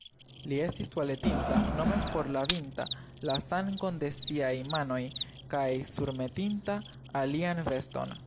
Li estis tualetinta, nome forlavinta la sangon de siaj manoj kaj surmetinta alian veston.